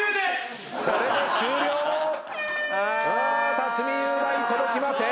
辰巳雄大届きません！